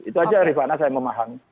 itu saja riffana saya mau paham